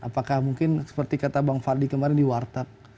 apakah mungkin seperti kata bang fadli kemarin di warteg